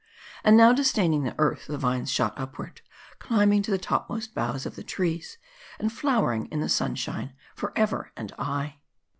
And now disdaining the earth, the vines shot up ward : climbing to the topmost boughs of the trees ; and flowering in the sunshine forever and aye."